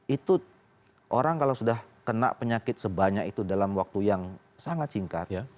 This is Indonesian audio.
itu orang kalau sudah kena penyakit sebanyak itu dalam waktu yang sangat singkat